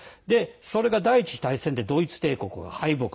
それが、第１次大戦でドイツ帝国が敗北。